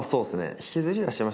引きずりはしました。